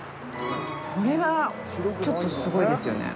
これがちょっとすごいですよね。